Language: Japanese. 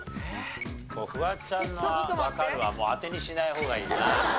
フワちゃんの「わかる」はもう当てにしない方がいいな。